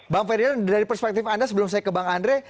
bang ferdinand dari perspektif anda sebelum saya ke bang andre